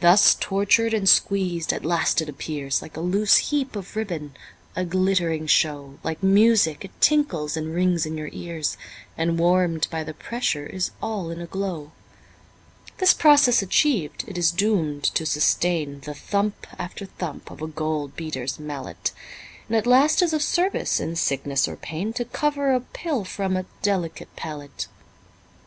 Thus tortured and squeezed, at last it appears Like a loose heap of ribbon, a glittering show, Like music it tinkles and rings in your ears, And warm'd by the pressure is all in a glow. This process achiev'd, it is doom'd to sustain The thump after thump of a gold beater's mallet, And at last is of service in sickness or pain To cover a pill from a delicate palate.